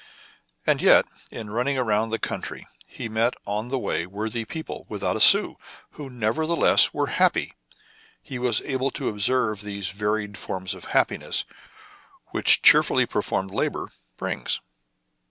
And yet, in running about the country, he met on the way worthy people without a sou, who, nevertheless, were happy. He was able to observe those varied forms of happiness which cheerfully performed labor brings.